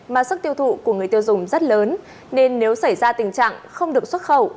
mà sức tiêu thụ của người tiêu dùng rất lớn nên nếu xảy ra tình trạng không được xuất khẩu